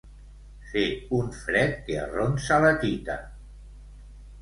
Fer un fred que arronsa la tita.